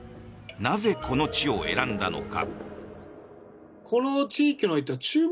なぜ、この地を選んだのか。